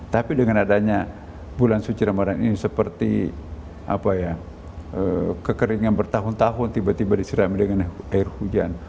tapi dengan adanya bulan suci ramadan ini seperti kekeringan bertahun tahun tiba tiba disirami dengan air hujan